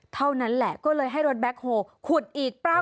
เท่านั้นแหละก็เลยให้รถแบ็คโฮลขุดอีกป่ะ